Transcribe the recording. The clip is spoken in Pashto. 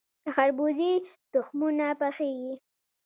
د خربوزې تخمونه پخیږي.